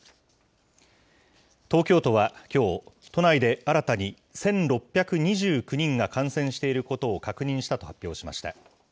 東京都はきょう、都内で新たに１６２９人が感染していることを確認したと発表しました。